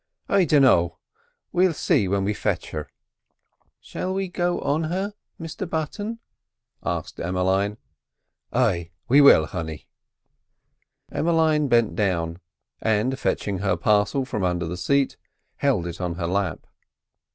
"I dinno; we'll see when we fetch her." "Shall we go on her, Mr Button?" asked Emmeline. "Ay will we, honey." Emmeline bent down, and fetching her parcel from under the seat, held it in her lap.